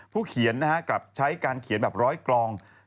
ผู้เขียนกลับใช้การเขียนแบบร้อยกลอง